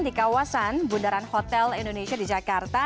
di kawasan bundaran hotel indonesia di jakarta